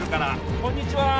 こんにちは